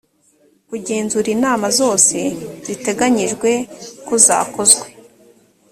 kugenzura inama zose ziteganyijwe ko zakozwe